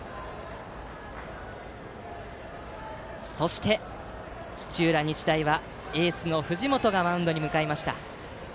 そして、土浦日大はエースの藤本がマウンドに向かいました。